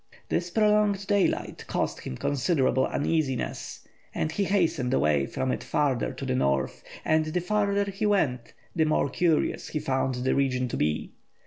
This prolonged daylight caused him considerable uneasiness, and he hastened away from it farther to the North, and the farther he went the more curious he found the region to be.